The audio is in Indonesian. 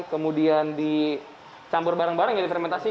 kemudian dicampur bareng bareng jadi fermentasi